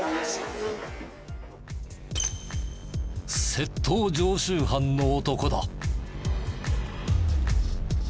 窃盗常習犯の男だ。